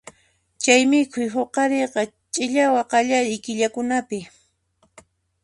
Chay mikhuy huqariyqa chirawa qallariy killakunapi.